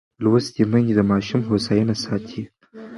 لوستې میندې د ماشوم هوساینه ساتي.